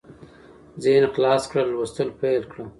ذهن خلاص کړه لوستل پېل کړه